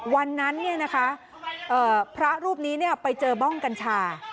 วันนั้นเนี่ยนะคะพระรูปนี้เนี่ยไปเจอม่องกัญชา